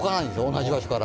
同じ場所から。